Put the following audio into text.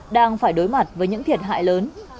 đang phải đối mặt với những thiệt hại lớn